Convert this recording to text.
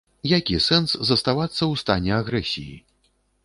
Які сэнс заставацца ў стане агрэсіі?